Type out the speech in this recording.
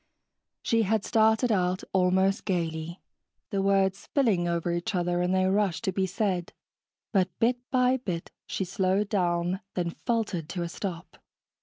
She had started out almost gaily, the words spilling over each other in their rush to be said, but bit by bit she slowed down, then faltered to a stop.